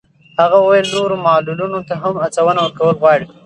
هغه وویل نورو معلولانو ته هم هڅونه ورکول غواړي.